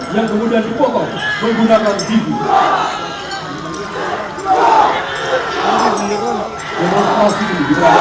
dan menjelaskan dabesu mereka adalah prajurit prajurit muda